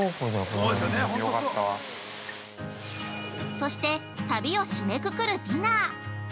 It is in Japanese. ◆そして旅を締めくくるディナー。